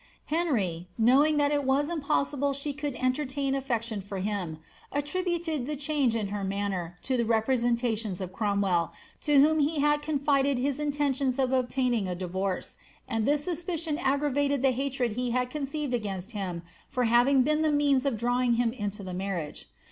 Henry, ung that il was impossible Ehe could entertain alTeciion for him, ril'uicil the change In her manner to the representations of Cromwell, 111 nliom he had confided his intentions of obtaining b divorce, and thm mipieion aggmvnled the hatred he had conceived against him for having bwn llie means of drawing him into the marriage.